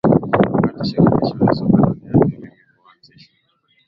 wakati Shirikisho la Soka Duniani lilipoanzishwa